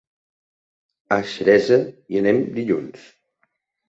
A Xeresa hi anem dilluns.